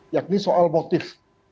yakni soal motif